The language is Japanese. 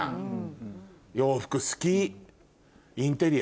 洋服好きインテリア